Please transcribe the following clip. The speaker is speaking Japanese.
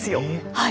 はい。